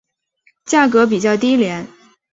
价格比较低廉。